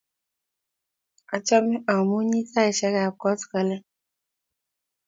Achame amunyi saisyek ap koskoling'